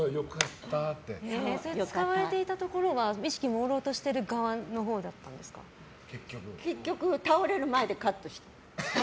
使われていたところは意識もうろうとしている側の結局倒れる前でカットされてた。